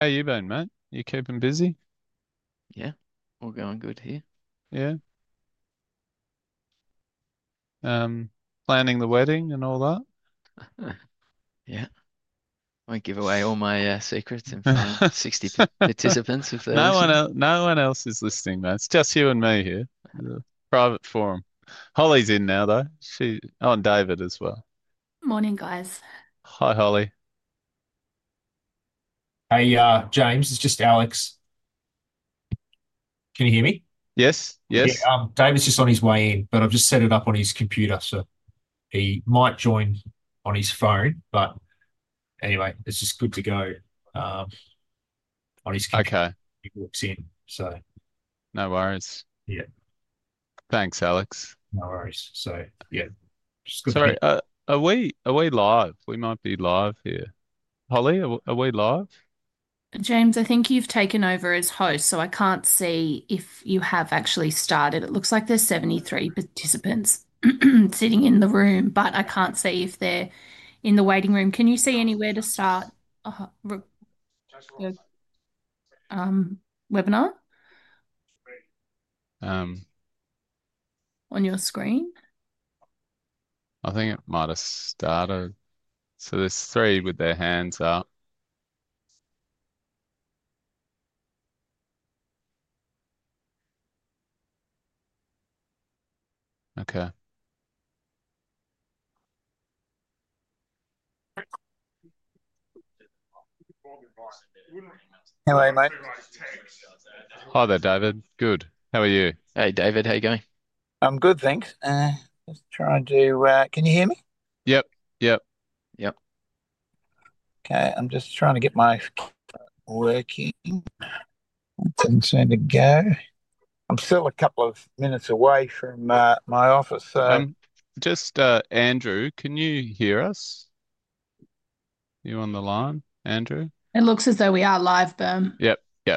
How are you doing, mate? You keeping busy? Yeah, all going good here. Yeah, planning the wedding and all that? Yeah, I won't give away all my secrets in front of 60 participants. No one else is listening, mate. It's just you and me here. It's a private forum. Holly's in now, though. She's on, David as well. Morning, guys. Hi, Holly. Hey, James. It's just Alex. Can you hear me? Yes, yes. David's just on his way in, but I've just set it up on his computer, so he might join on his phone. Anyway, it's just good to go on his computer when he walks in. No worries. Yeah, thanks, Alex. No worries. Sorry. Are we live? We might be live here. Holly, are we live? James, I think you've taken over as host, so I can't see if you have actually started. It looks like there's 73 participants sitting in the room, but I can't see if they're in the waiting room. Can you see anywhere to start the webinar on your screen? I think it might have started. There are three with their hands up. Okay. Hello, mate. Hi there, David. Good. How are you? Hey, David. How are you going? I'm good, thanks. Can you hear me? Yep, yep. Yep. Okay, I'm just trying to get my working. It didn't seem to go. I'm still a couple of minutes away from my office. Anew, can you hear us? You on the line, Andrew? It looks as though we are live, Ben. Okay, cool. Yeah.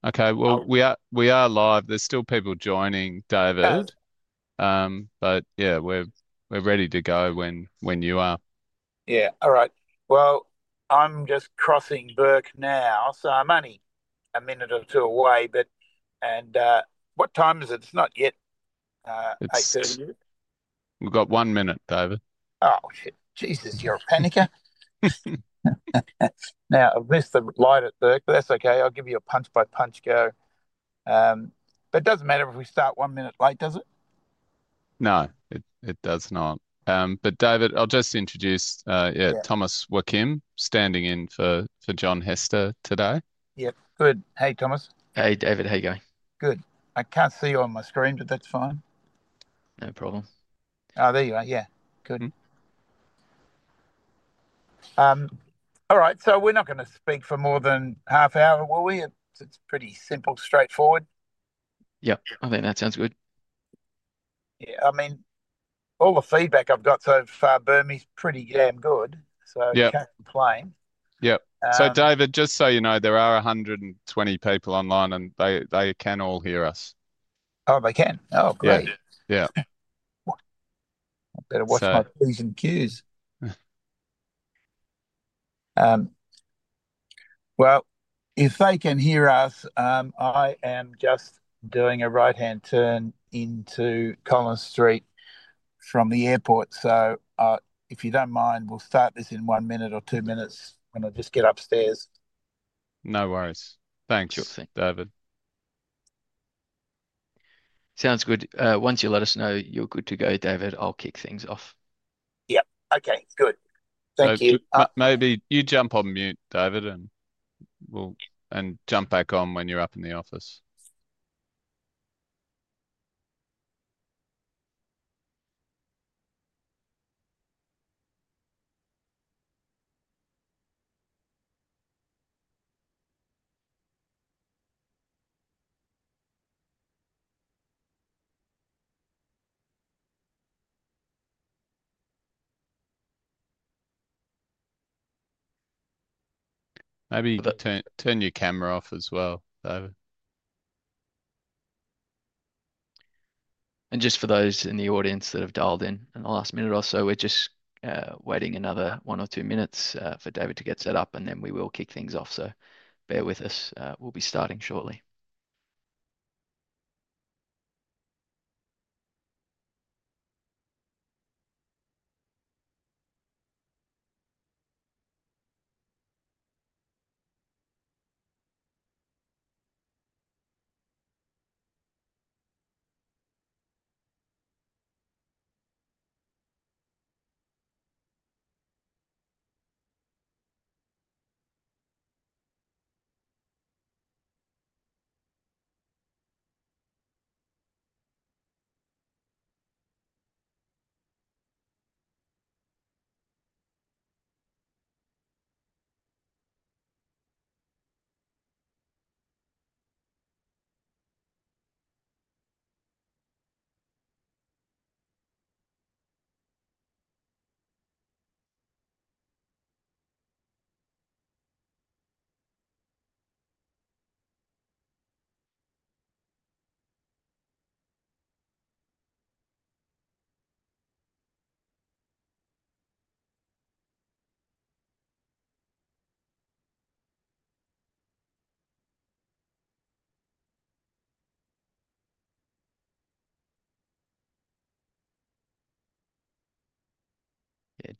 Okay. We are live. There's still people joining, David. Good. Yeah, we're ready to go when you are. All right. I'm just crossing Berk now. I'm only a minute or two away. What time is it? It's not yet 8:30. We've got one minute, David. Oh, Jesus, you're a panicker. I've missed the light at work, but that's okay. I'll give you a punch-by-punch go. It doesn't matter if we start one minute late, does it? No, it does not. David, I'll just introduce Thomas Wah Kim standing in for John Hester today. Yep, good. Hey, Thomas. Hey, David. How are you going? Good. I can't see you on my screen, but that's fine. No problem. Oh, there you are. Yeah, good. All right. We're not going to speak for more than half an hour, will we? It's pretty simple, straightforward. Yeah, I think that sounds good. Yeah, I mean, all the feedback I've got so far, Ben, is pretty damn good. I can't complain. David, just so you know, there are 120 people online, and they can all hear us. Oh, they can? Oh, great. Yeah. If they can hear us, I am just doing a right-hand turn into Collins Street from the airport. If you don't mind, we'll start this in one minute or two minutes, and I'll just get upstairs. No worries. Thanks, David. Sounds good. Once you let us know you're good to go, David, I'll kick things off. Okay, good. Thank you. Maybe you jump on mute, David, and we'll jump back on when you're up in the office. Maybe turn your camera off as well, David. For those in the audience that have dialed in in the last minute or so, we're just waiting another one or two minutes for David to get set up, and then we will kick things off. Please bear with us. We'll be starting shortly.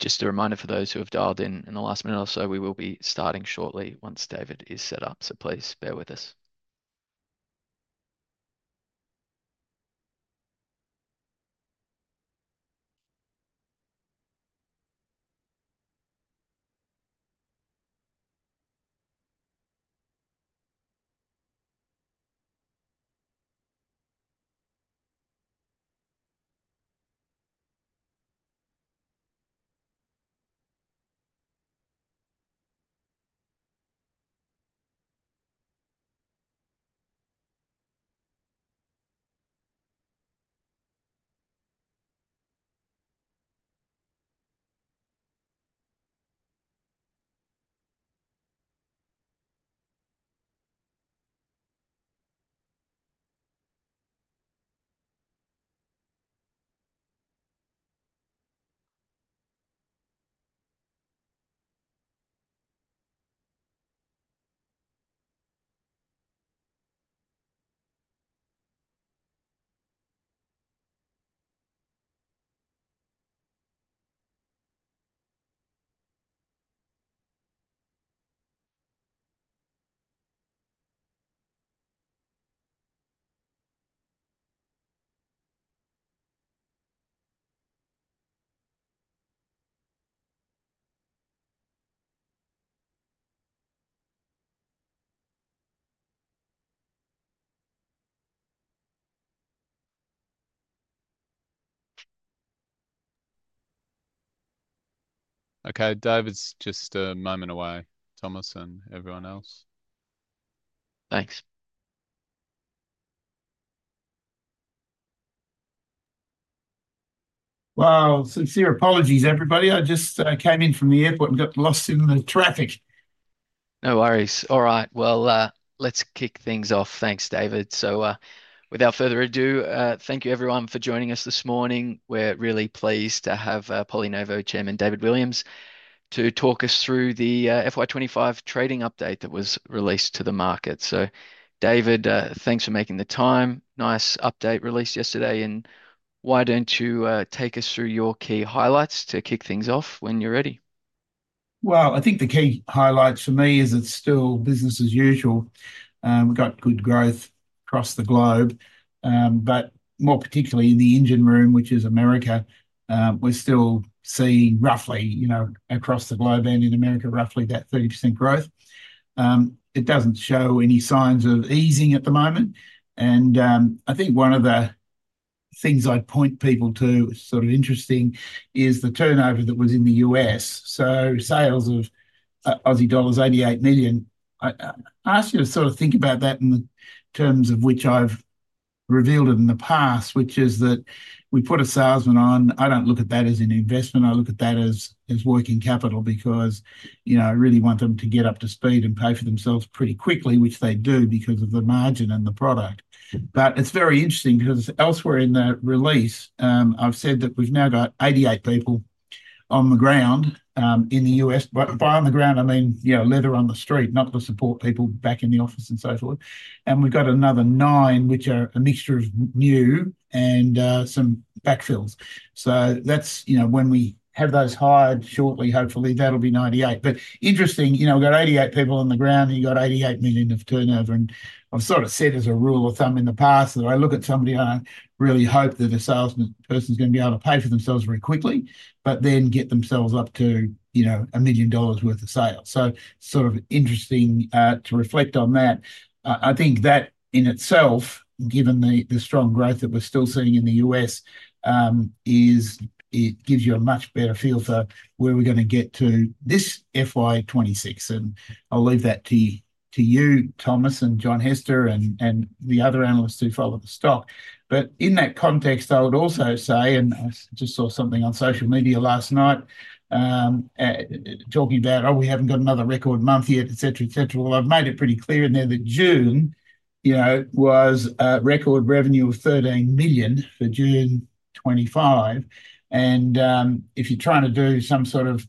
Just a reminder for those who have dialed in in the last minute or so, we will be starting shortly once David is set up. Please bear with us. Okay, David's just a moment away. Thomas and everyone else. Thanks. Wow. Sincere apologies, everybody. I just came in from the airport and got lost in the traffic. No worries. All right, let's kick things off. Thanks, David. Without further ado, thank you, everyone, for joining us this morning. We're really pleased to have PolyNovo Chairman David Williams to talk us through the FY25 trading update that was released to the market. David, thanks for making the time. Nice update released yesterday. Why don't you take us through your key highlights to kick things off when you're ready? I think the key highlights for me is it's still business as usual. We've got good growth across the globe, but more particularly in the engine room, which is America. We're still seeing roughly, you know, across the globe and in America, roughly that 30% growth. It doesn't show any signs of easing at the moment. I think one of the things I'd point people to, which is sort of interesting, is the turnover that was in the U.S. So sales of, I see, $88 million. I ask you to sort of think about that in terms of which I've revealed in the past, which is that we put a salesman on. I don't look at that as an investment. I look at that as working capital because, you know, I really want them to get up to speed and pay for themselves pretty quickly, which they do because of the margin and the product. It's very interesting because elsewhere in the release, I've said that we've now got 88 people on the ground in the U.S. By on the ground, I mean, you know, litter on the street, not the support people back in the office and so forth. We've got another nine, which are a mixture of new and some backfills. When we have those hired shortly, hopefully that'll be 98. Interesting, you know, we've got 88 people on the ground and you've got $88 million of turnover. I've sort of said as a rule of thumb in the past that I look at somebody, I really hope that a salesperson is going to be able to pay for themselves very quickly, but then get themselves up to, you know, a million dollars worth of sales. It's sort of interesting to reflect on that. I think that in itself, given the strong growth that we're still seeing in the U.S., it gives you a much better feel for where we're going to get to this FY26. I'll leave that to you, Thomas and John Hester and the other analysts who follow the stock. In that context, I would also say, I just saw something on social media last night talking about, oh, we haven't got another record month yet, et cetera, et cetera. I've made it pretty clear in there that June, you know, was a record revenue of $13 million for June 2025. If you're trying to do some sort of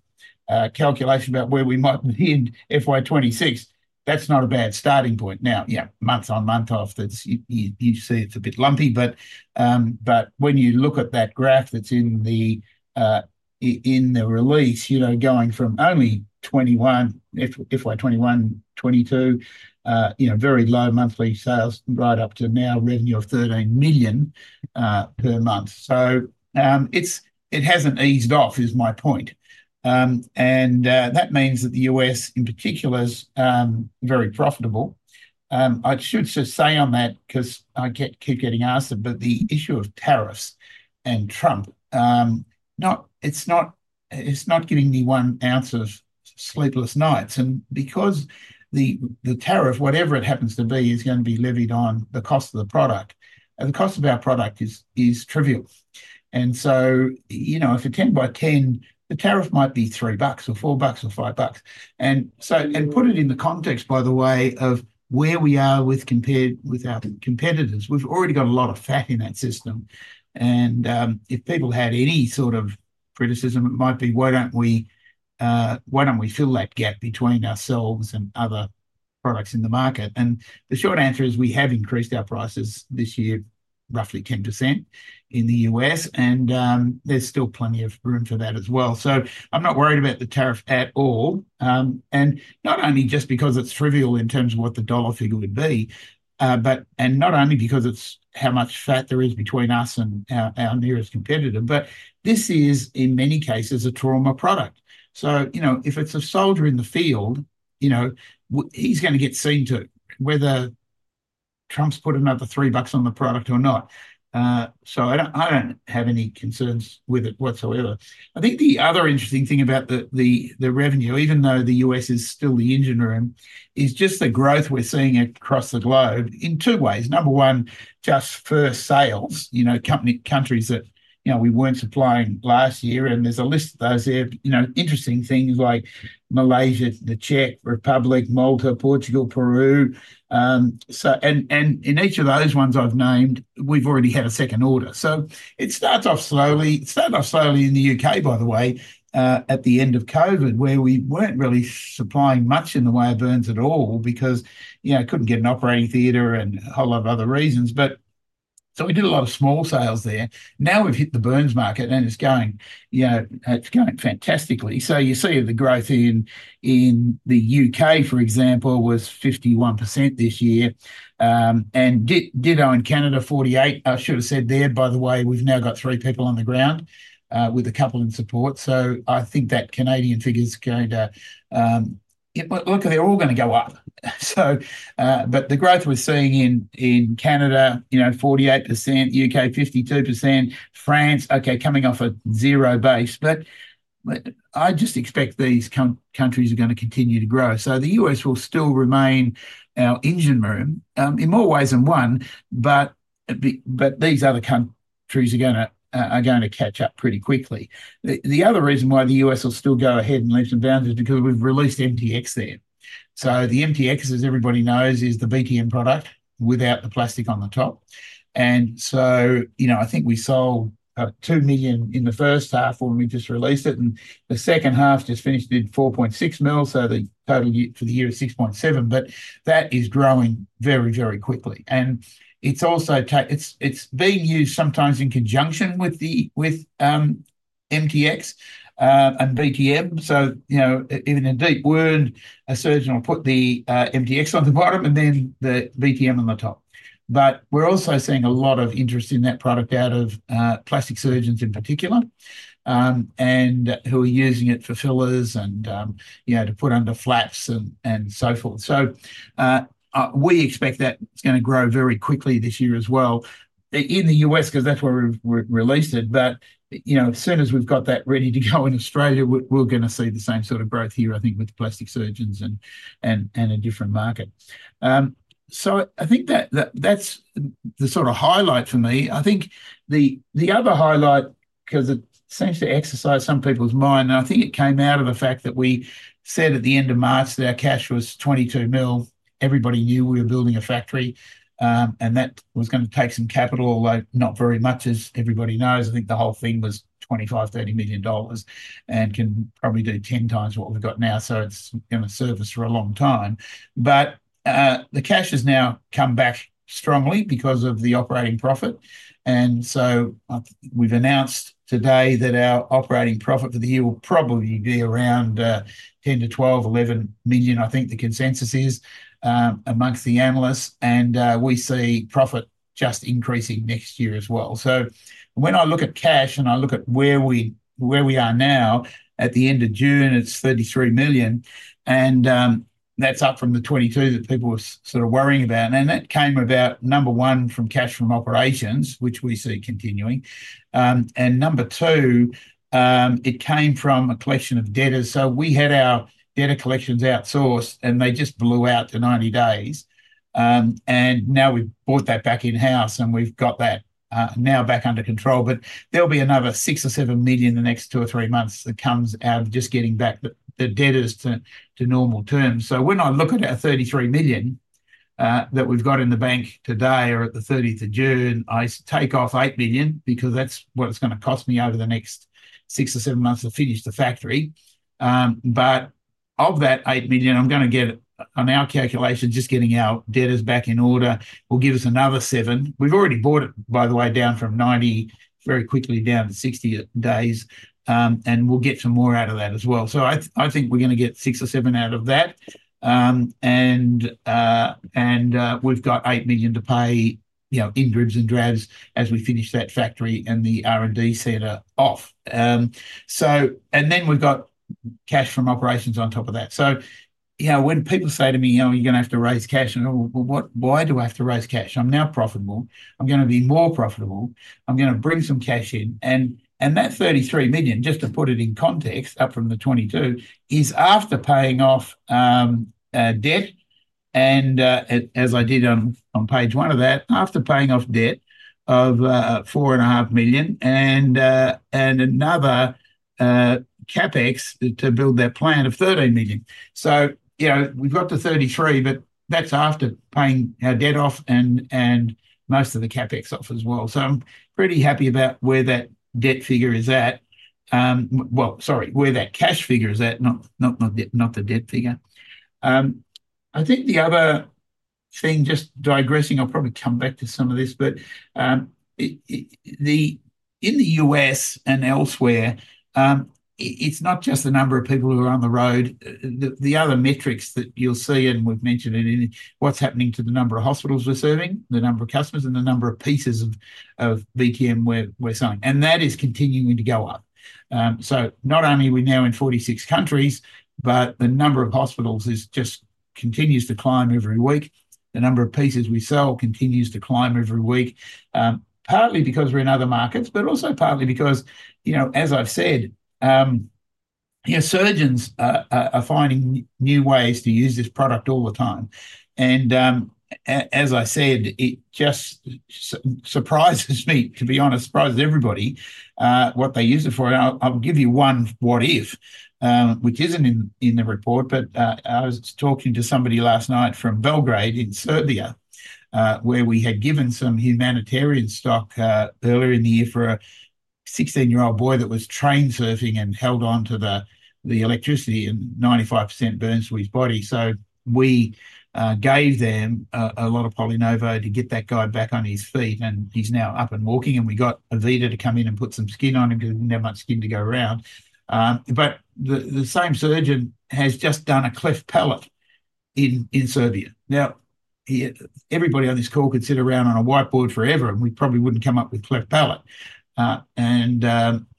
calculation about where we might put in FY26, that's not a bad starting point. Now, yeah, months on, months off, you see it's a bit lumpy. When you look at that graph that's in the release, you know, going from only 2021, FY 21, 22, you know, very low monthly sales right up to now revenue of $13 million per month. It hasn't eased off, is my point. That means that the U.S., in particular, is very profitable. I should just say on that, because I keep getting asked, the issue of tariffs and Trump is not giving me one ounce of sleepless nights. The tariff, whatever it happens to be, is going to be levied on the cost of the product. The cost of our product is trivial. If it's 10 by 10, the tariff might be $3 or $4 or $5. Put it in the context, by the way, of where we are compared with our competitors. We've already got a lot of fat in that system. If people had any sort of criticism, it might be, why don't we fill that gap between ourselves and other products in the market? The short answer is we have increased our prices this year roughly 10% in the U.S., and there's still plenty of room for that as well. I'm not worried about the tariff at all, not only just because it's trivial in terms of what the dollar figure would be, but not only because it's how much fat there is between us and our nearest competitor, but this is, in many cases, a trauma product. If it's a soldier in the field, he's going to get seen to it, whether Trump has put another $3 on the product or not. I don't have any concerns with it whatsoever. I think the other interesting thing about the revenue, even though the U.S. is still the engine room, is just the growth we're seeing across the globe in two ways. Number one, just first sales, countries that we weren't supplying last year. There's a list of those there, interesting things like Malaysia, the Czech Republic, Malta, Portugal, Peru. In each of those ones I've named, we've already had a second order. It starts off slowly. It started off slowly in the United Kingdom, by the way, at the end of COVID, where we weren't really supplying much in the way of burns at all because it couldn't get an operating theater and a whole lot of other reasons. We did a lot of small sales there. Now we've hit the burns market and it's going fantastically. You see the growth in the U.K., for example, was 51% this year. Ditto in Canada, 48%. I should have said there, by the way, we've now got three people on the ground with a couple in support. I think that Canadian figure's going to, luckily, they're all going to go up. The growth we're seeing in Canada, you know, 48%, U.K. 52%, France, okay, coming off a zero base. I just expect these countries are going to continue to grow. The U.S. will still remain our engine room in more ways than one, but these other countries are going to catch up pretty quickly. The other reason why the U.S. will still go ahead and leave some boundaries is because we've released NovoSorb MTX there. The MTX, as everybody knows, is the BTM product without the plastic on the top. I think we sold up $2 million in the first half when we just released it. The second half just finished, did $4.6 million. The total for the year is $6.7 million. That is growing very, very quickly. It's also being used sometimes in conjunction with MTX and NovoSorb BTM. Even in deep wound, a surgeon will put the MTX on the bottom and then the NovoSorb BTM on the top. We're also seeing a lot of interest in that product out of plastic surgeons in particular, who are using it for fillers and to put under flaps and so forth. We expect that going to grow very quickly this year as well in the U.S. because that's where we've released it. As soon as we've got that ready to go in Australia, we're going to see the same sort of growth here, I think, with the plastic surgeons and a different market. I think that's the sort of highlight for me. The other highlight, because it seems to exercise some people's mind, and I think it came out of the fact that we said at the end of March that our cash was $22 million. Everybody knew we were building a factory. That was going to take some capital, like not very much, as everybody knows. I think the whole thing was $25 million, $30 million and can probably do 10x what we've got now. It's going to serve us for a long time. The cash has now come back strongly because of the operating profit. We've announced today that our operating profit for the year will probably be around $10 million-$12 million, $11 million, I think the consensus is amongst the analysts. We see profit just increasing next year as well. When I look at cash and I look at where we are now at the end of June, it's $33 million. That's up from the $22 million that people were sort of worrying about. That came about, number one, from cash from operations, which we see continuing. Number two, it came from a collection of debtors. We had our debtor collections outsourced and they just blew out to 90 days. Now we've brought that back in-house and we've got that now back under control. There will be another $6 million or $7 million in the next two or three months that comes out of just getting back the debtors to normal terms. When I look at our $33 million that we've got in the bank today or at the 30th of June, I take off $8 million because that's what it's going to cost me over the next six or seven months to finish the factory. Of that $8 million, I'm going to get, on our calculation, just getting our debtors back in order will give us another $7 million. We've already brought it, by the way, down from 90 very quickly down to 60 days. We'll get some more out of that as well. I think we're going to get $6 million or $7 million out of that. We've got $8 million to pay, you know, in dribs and drabs as we finish that factory and the R&D center off. Then we've got cash from operations on top of that. When people say to me, you know, you're going to have to raise cash. What? Why do I have to raise cash? I'm now profitable. I'm going to be more profitable. I'm going to bring some cash in. That $33 million, just to put it in context, up from the $22 million, is after paying off debt. As I did on page one of that, after paying off debt of $4.5 million and another CapEx to build their plan of $13 million. We've got the $33 million, but that's after paying our debt off and most of the CapEx off as well. I'm pretty happy about where that cash figure is at, not the debt figure. I think the other thing, just digressing, I'll probably come back to some of this, in the U.S. and elsewhere, it's not just the number of people who are on the road. The other metrics that you'll see, and we've mentioned it, what's happening to the number of hospitals we're serving, the number of customers, and the number of pieces of BTM we're selling. That is continuing to go up. Not only are we now in 46 countries, but the number of hospitals just continues to climb every week. The number of pieces we sell continues to climb every week, partly because we're in other markets, but also partly because, as I've said, surgeons are finding new ways to use this product all the time. As I said, it just surprises me, to be honest, surprises everybody what they use it for. I'll give you one what if, which isn't in the report, but I was talking to somebody last night from Belgrade in Serbia, where we had given some humanitarian stock earlier in the year for a 16-year-old boy that was train surfing and held on to the electricity and 95% burns to his body. We gave them a lot of PolyNovo to get that guy back on his feet, and he's now up and walking. We got Avita to come in and put some skin on him because there's not much skin to go around. The same surgeon has just done a cleft palate in Serbia. Everybody on this call could sit around on a whiteboard forever, and we probably wouldn't come up with a cleft palate.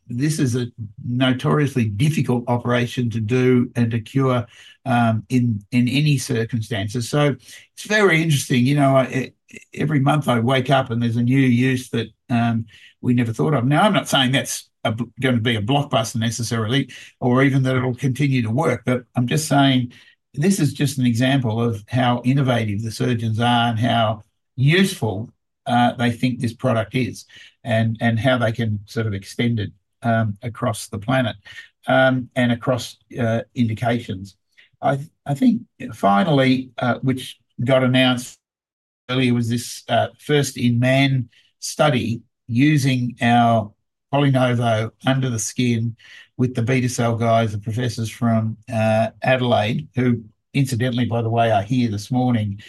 This is a notoriously difficult operation to do and to cure in any circumstances. It's very interesting. Every month I wake up and there's a new use that we never thought of. I'm not saying that's going to be a blockbuster necessarily, or even that it'll continue to work. This is just an example of how innovative the surgeons are and how useful they think this product is and how they can sort of extend it across the planet and across indications. I think finally, which got announced earlier, was this first in man study using our PolyNovo under the skin with the Beta Cell guys and professors from Adelaide, who incidentally, by the way, are here this morning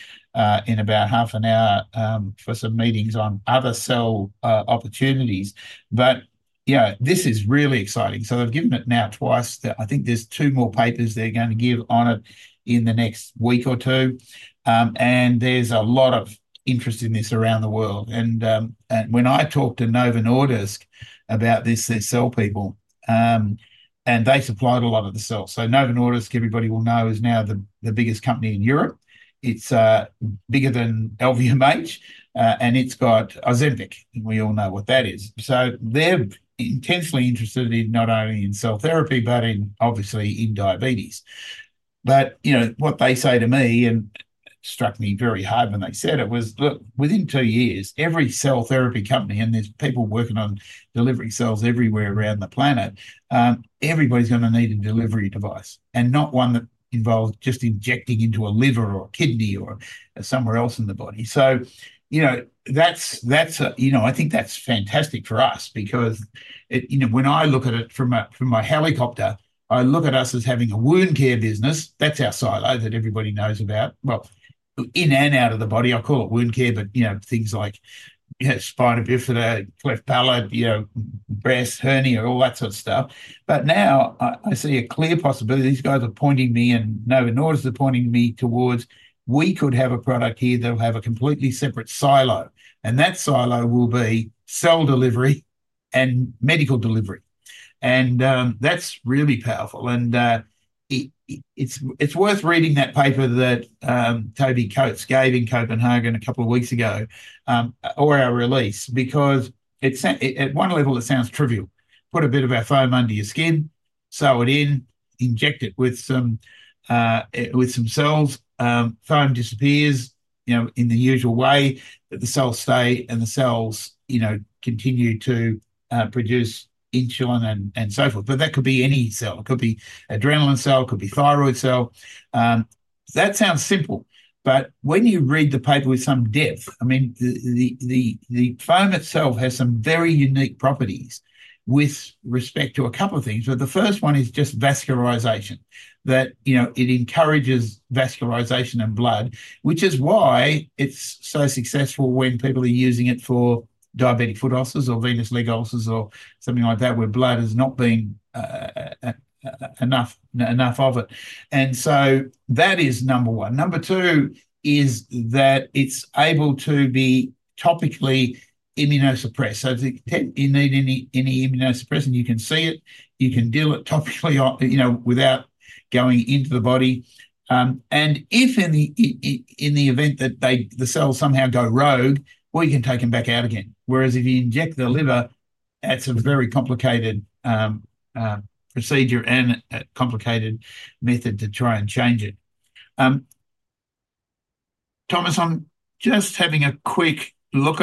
in about half an hour for some meetings on other cell opportunities. This is really exciting. They've given it now twice. I think there's two more papers they're going to give on it in the next week or two. There's a lot of interest in this around the world. When I talked to Novo Nordisk about this, their cell people, and they supplied a lot of the cells. Novo Nordisk, everybody will know, is now the biggest company in Europe. It's bigger than LVMH, and it's got Ozempic. We all know what that is. They're intensely interested not only in cell therapy, but obviously in diabetes. You know what they say to me, and it struck me very hard when they said it, was that within two years, every cell therapy company, and there's people working on delivering cells everywhere around the planet, everybody's going to need a delivery device and not one that involves just injecting into a liver or a kidney or somewhere else in the body. That's fantastic for us because when I look at it from my helicopter, I look at us as having a wound care business. That's our silos that everybody knows about. In and out of the body, I call it wound care, but things like spina bifida, cleft palate, breast, hernia, all that sort of stuff. Now I see a clear possibility. These guys are pointing me, and Novo Nordisk is pointing me towards we could have a product here that'll have a completely separate silo. That silo will be cell delivery and medical delivery. That's really powerful. It's worth reading that paper that Dr Toby Coates gave in Copenhagen a couple of weeks ago or our release, because at one level it sounds trivial. Put a bit of our foam under your skin, sew it in, inject it with some cells, foam disappears in the usual way, but the cells stay and the cells continue to produce insulin and so forth. That could be any cell. It could be adrenaline cell, it could be thyroid cell. That sounds simple. When you read the paper with some depth, the foam of cell has some very unique properties with respect to a couple of things. The first one is just vascularization, that it encourages vascularization and blood, which is why it's so successful when people are using it for diabetic foot ulcers or venous leg ulcers or something like that, where blood has not been enough of it. That is number one. Number two is that it's able to be topically immunosuppressed. If you need any immunosuppressant, you can see it, you can deal it topically without going into the body. If in the event that the cells somehow go rogue, you can take them back out again. Whereas if you inject the liver, that's a very complicated procedure and a complicated method to try and change it. Thomas, I'm just having a quick look.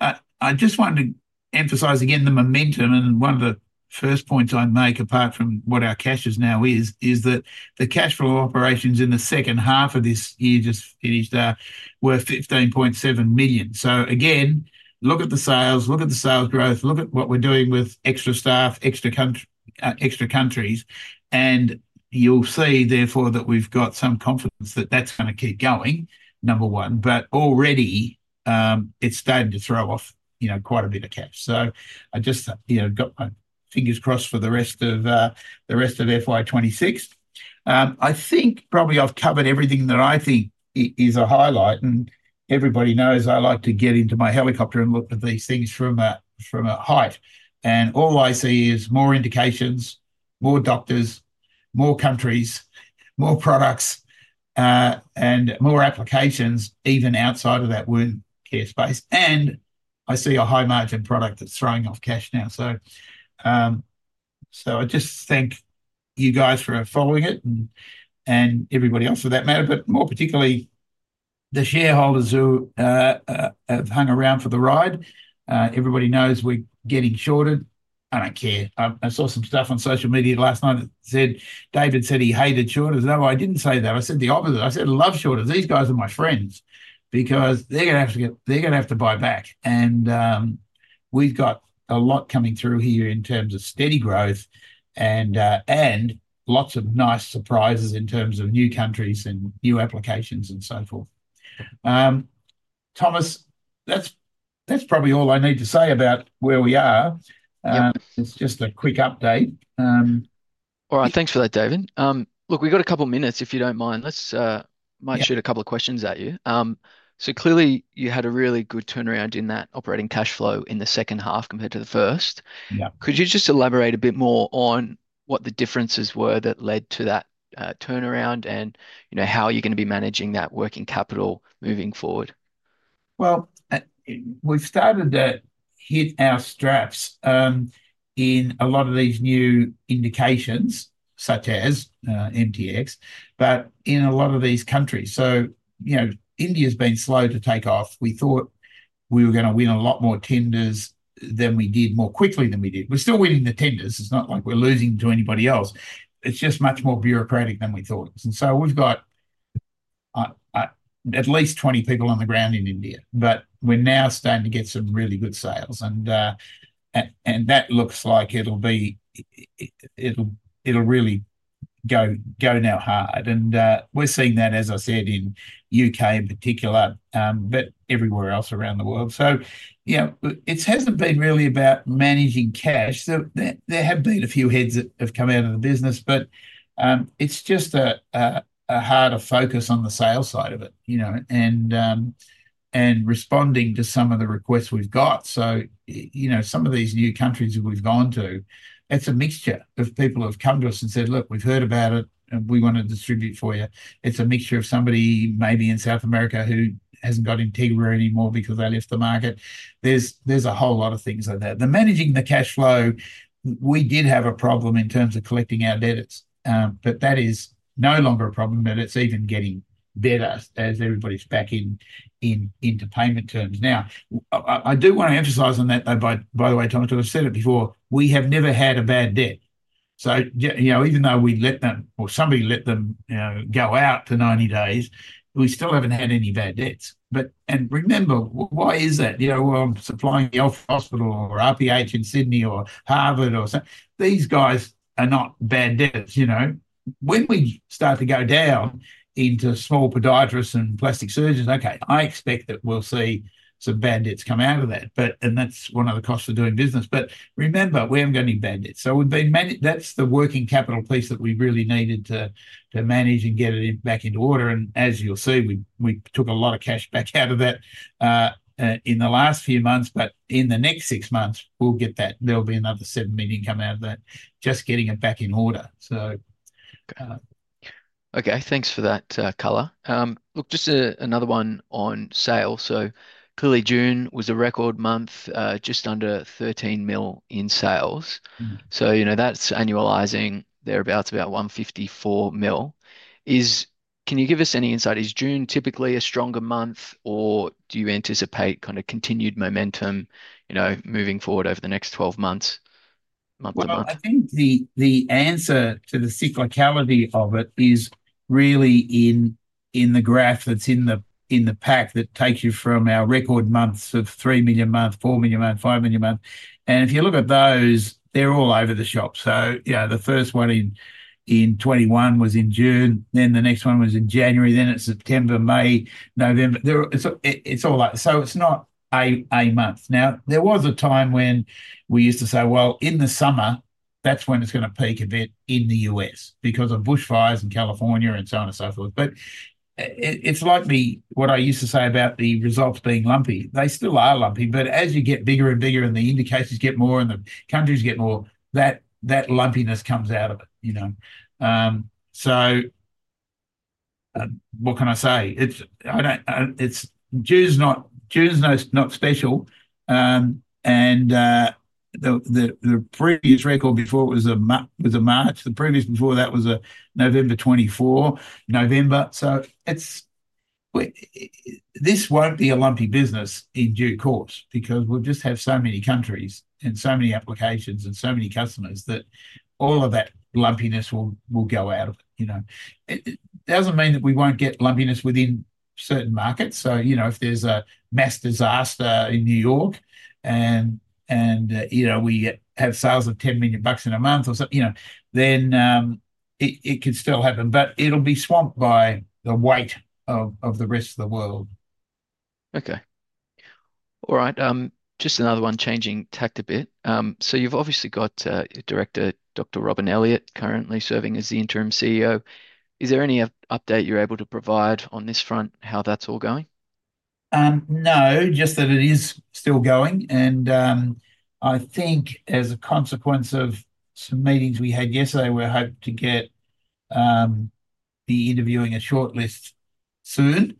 I just want to emphasize again the momentum. One of the first points I make, apart from what our cash is now, is that the cash flow operations in the second half of this year just finished, are worth $15.7 million. Again, look at the sales, look at the sales growth, look at what we're doing with extra staff, extra countries. You'll see therefore that we've got some confidence that that's going to keep going, number one. Already, it's starting to throw off quite a bit of cash. I just got my fingers crossed for the rest of FY26. I think probably I've covered everything that I think is a highlight. Everybody knows I like to get into my helicopter and look at these things from a height. All I see is more indications, more doctors, more countries, more products, and more applications even outside of that wound care space. I see a high margin product that's throwing off cash now. I just thank you guys for following it and everybody else for that matter, but more particularly the shareholders who have hung around for the ride. Everybody knows we're getting shorter. I don't care. I saw some stuff on social media last night that said David said he hated shorters. No, I didn't say that. I said the opposite. I said I love shorters. These guys are my friends because they're going to have to buy back. We've got a lot coming through here in terms of steady growth and lots of nice surprises in terms of new countries and new applications and so forth. Thomas, that's probably all I need to say about where we are. It's just a quick update. All right, thanks for that, David. We've got a couple of minutes, if you don't mind. Mike's shooting a couple of questions at you. Clearly, you had a really good turnaround in that operating cash flow in the second half compared to the first. Could you just elaborate a bit more on what the differences were that led to that turnaround and how you are going to be managing that working capital moving forward? We've started to hit our straps in a lot of these new indications, such as NovoSorb MTX, but in a lot of these countries. You know, India's been slow to take off. We thought we were going to win a lot more tenders than we did, more quickly than we did. We're still winning the tenders. It's not like we're losing to anybody else. It's just much more bureaucratic than we thought. We've got at least 20 people on the ground in India, but we're now starting to get some really good sales. That looks like it'll really go now hard. We're seeing that, as I said, in the United Kingdom in particular, but everywhere else around the world. It hasn't been really about managing cash. There have been a few heads that have come out of the business, but it's just a harder focus on the sales side of it, you know, and responding to some of the requests we've got. Some of these new countries that we've gone to, it's a mixture of people who have come to us and said, look, we've heard about it and we want to distribute for you. It's a mixture of somebody maybe in South America who hasn't got Integra anymore because they left the market. There's a whole lot of things on that. Managing the cash flow, we did have a problem in terms of collecting our debtors, but that is no longer a problem. It's even getting better as everybody's back into payment terms. I do want to emphasize on that, though, by the way, Thomas, I've said it before, we have never had a bad debt. Even though we let them, or somebody let them go out to 90 days, we still haven't had any bad debts. Remember, why is that? Well, I'm supplying the hospital or RPH in Sydney or Harvard or something. These guys are not bad debtors, you know. When we start to go down into small podiatrists and plastic surgeons, I expect that we'll see some bad debts come out of that. That's one of the costs of doing business. Remember, we haven't got any bad debts. We've been managing, that's the working capital piece that we really needed to manage and get it back into order. As you'll see, we took a lot of cash back out of that in the last few months. In the next six months, we'll get that. There'll be another $7 million coming out of that, just getting it back in order. Okay, thanks for that, Color. Just another one on sales. Clearly, June was a record month, just under $13 million in sales. That's annualizing thereabouts about $154 million. Can you give us any insight? Is June typically a stronger month, or do you anticipate continued momentum moving forward over the next 12 months? I think the answer to the cyclicality of it is really in the graph that's in the pack that takes you from our record months of $3 million a month, $4 million a month, $5 million a month. If you look at those, they're all over the shop. The first one in 2021 was in June, then the next one was in January, then it's September, May, November. It's all like, it's not a month. There was a time when we used to say, in the summer, that's when it's going to peak a bit in the U.S. because of bushfires in California and so on and so forth. It's like what I used to say about the results being lumpy. They still are lumpy, but as you get bigger and bigger and the indicators get more and the countries get more, that lumpiness comes out of it. What can I say? June's not special. The previous record before was a March. The previous before that was a November 2024. This won't be a lumpy business in due course because we'll just have so many countries and so many applications and so many customers that all of that lumpiness will go out of it. It doesn't mean that we won't get lumpiness within certain markets. If there's a mass disaster in New York and we have sales of $10 million in a month or something, it could still happen, but it'll be swamped by the weight of the rest of the world. Okay. All right. Just another one, changing tact a bit. You've obviously got Director Dr. Robyn Elliott currently serving as the Interim CEO. Is there any update you're able to provide on this front, how that's all going? No, just that it is still going. I think as a consequence of some meetings we had yesterday, we're hoping to get the interviewing a shortlist soon.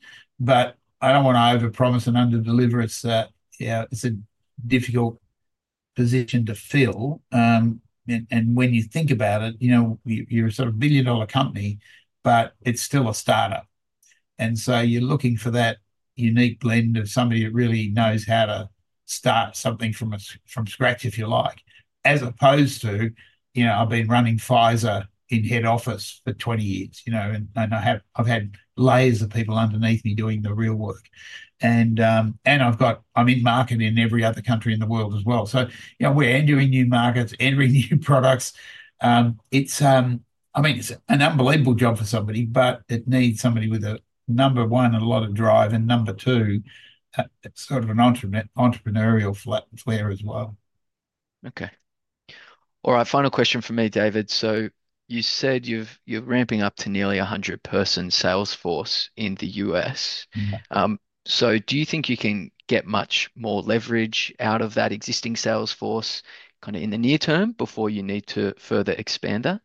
I don't want to overpromise and under-deliver it. It's a difficult position to fill. When you think about it, you're a sort of billion-dollar company, but it's still a startup. You're looking for that unique blend of somebody who really knows how to start something from scratch, if you like, as opposed to, you know, I've been running Pfizer in head office for 20 years, and I've had layers of people underneath me doing the real work. I'm in marketing in every other country in the world as well. We're entering new markets, entering new products. I mean, it's an unbelievable job for somebody, but it needs somebody with, number one, a lot of drive, and number two, it's sort of an entrepreneurial flair as well. All right. Final question from me, David. You said you're ramping up to nearly a 100-person sales force in the U.S. Do you think you can get much more leverage out of that existing sales force in the near term before you need to further expand it?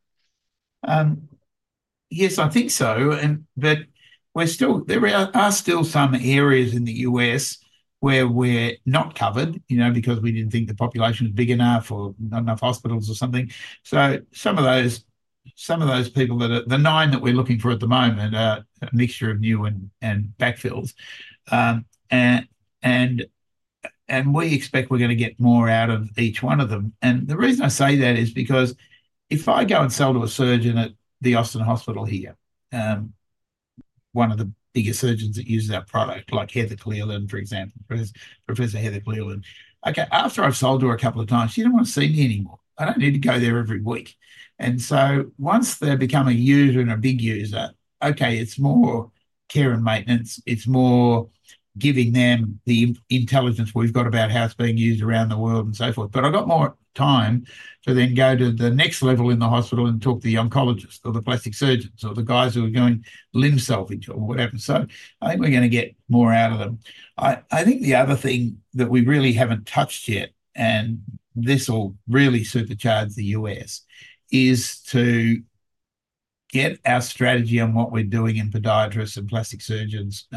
Yes, I think so. There are still some areas in the U.S. where we're not covered, you know, because we didn't think the population was big enough or not enough hospitals or something. Some of those people that are the nine that we're looking for at the moment are a mixture of new and backfills. We expect we're going to get more out of each one of them. The reason I say that is because if I go and sell to a surgeon at the Austin Hospital here, one of the biggest surgeons that uses our product, like Professor Heather Cleland, for example. Okay, after I've sold her a couple of times, she doesn't want to see me anymore. I don't need to go there every week. Once they become a user and a big user, it's more care and maintenance. It's more giving them the intelligence we've got about how it's being used around the world and so forth. I've got more time to then go to the next level in the hospital and talk to the oncologists or the plastic surgeons or the guys who are doing limb salvage or whatever. I think we're going to get more out of them. I think the other thing that we really haven't touched yet, and this will really supercharge the U.S., is to get our strategy on what we're doing in podiatrists and plastic surgeons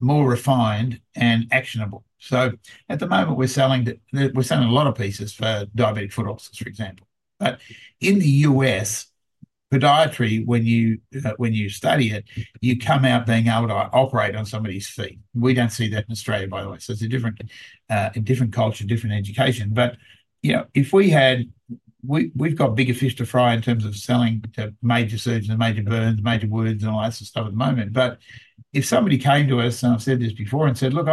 more refined and actionable. At the moment, we're selling a lot of pieces for diabetic foot ulcers, for example. In the U.S., podiatry, when you study it, you come out being able to operate on somebody's feet. We don't see that in Australia, by the way. It's a different culture, different education. We've got bigger fish to fry in terms of selling to major surgeons and major boards and all that sort of stuff at the moment. If somebody came to us, and I've said this before, and said, look,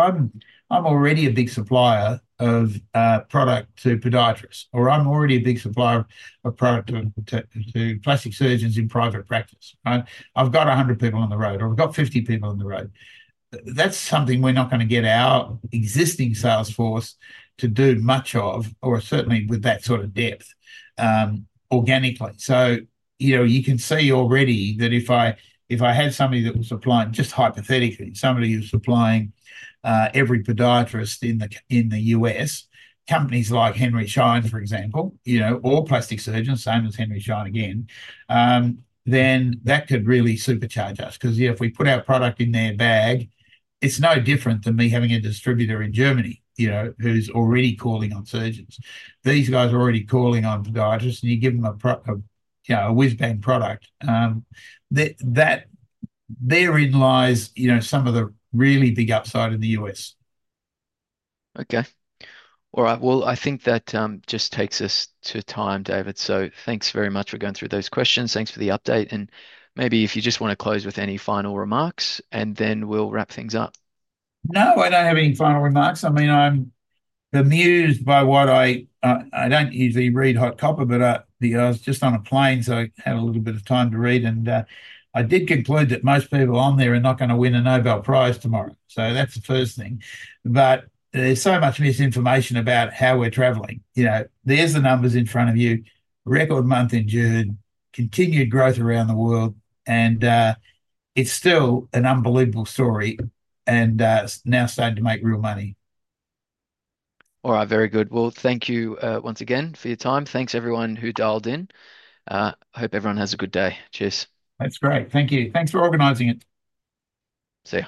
I'm already a big supplier of product to podiatrists, or I'm already a big supplier of product to plastic surgeons in private practice, and I've got 100 people on the road, or I've got 50 people on the road, that's something we're not going to get our existing sales force to do much of, or certainly with that sort of depth, organically. You can see already that if I had somebody that was supplying, just hypothetically, somebody who's supplying every podiatrist in the U.S., companies like Henry Schein, for example, or plastic surgeons, same as Henry Schein again, then that could really supercharge us. Because, you know, if we put our product in their bag, it's no different than me having a distributor in Germany, you know, who's already calling on surgeons. These guys are already calling on podiatrists, and you give them a whiz bang product. Therein lies, you know, some of the really big upside in the U.S. All right. I think that just takes us to time, David. Thanks very much for going through those questions. Thanks for the update. Maybe if you just want to close with any final remarks, then we'll wrap things up. No, I don't have any final remarks. I'm amused by what I... I don't usually read HotCopper, but I was just on a plane, so I had a little bit of time to read. I did conclude that most people on there are not going to win a Nobel Prize tomorrow. That's the first thing. There's so much misinformation about how we're traveling. The numbers are in front of you. Record month in June, continued growth around the world, and it's still an unbelievable story. It's now starting to make real money. All right, very good. Thank you once again for your time. Thanks, everyone who dialed in. Hope everyone has a good day. Cheers. That's great. Thank you. Thanks for organizing it. See ya.